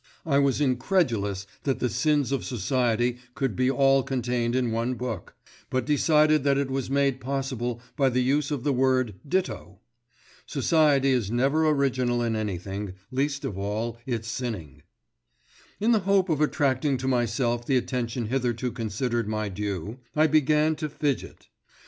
I was incredulous that the Sins of Society could be all contained in one book; but decided that it was made possible by the use of the word "ditto." Society is never original in anything, least of all its sinning. In the hope of attracting to myself the attention hitherto considered my due, I began to fidget.